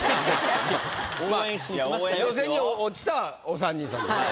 予選に落ちたお３人さん。